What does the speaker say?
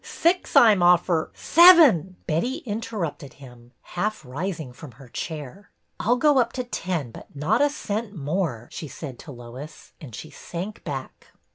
Six I'm offer —" Seven !" Betty interrupted him, half rising from her chair. I 'll go up to ten but not a cent more," she said to Lois, and she sank back.